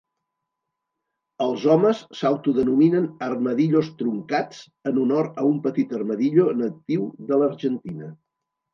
Els homes s'autodenominen "armadillos truncats", en honor a un petit armadillo natiu de l'Argentina.